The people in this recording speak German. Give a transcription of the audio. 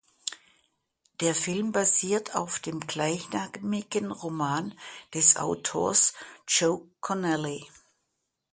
Der Film basiert auf dem gleichnamigen Roman des Autors Joe Connelly.